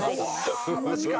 わマジか。